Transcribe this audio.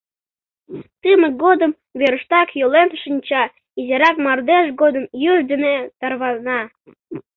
Тымык годым верыштак йӱлен шинча, изирак мардеж годым юж дене тарвана.